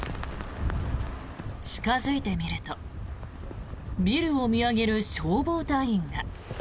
近付いてみるとビルを見上げる消防隊員が。